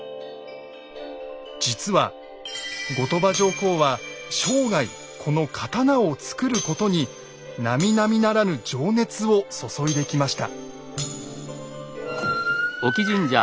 実は後鳥羽上皇は生涯この刀を作ることになみなみならぬ情熱を注いできました。